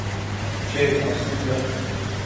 Şey, aslında…